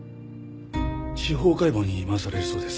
司法解剖に回されるそうです。